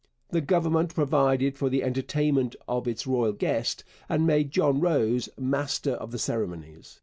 The Government provided for the entertainment of its royal guest and made John Rose master of the ceremonies.